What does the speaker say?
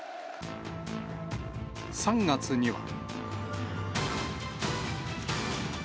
３月には。